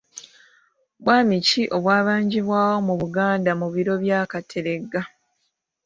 Bwami ki obwabangibwawo mu Buganda mu biro bya Kateregga?